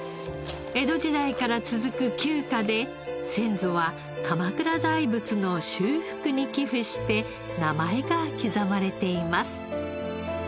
江戸時代から続く旧家で先祖は鎌倉大仏の修復に寄付して名前が刻まれています。